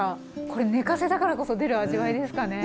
これ寝かせたからこそ出る味わいですかね。